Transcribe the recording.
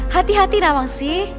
hati hati nawang sih